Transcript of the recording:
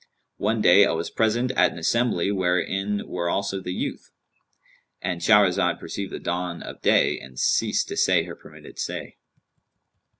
One day, I was present at an assembly, wherein were also the youth'"—And Shahrazad perceived the dawn of day and ceased to say her permitted say.